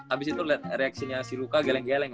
abis itu lu liat reaksinya si luka geleng geleng